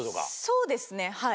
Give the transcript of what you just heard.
そうですねはい。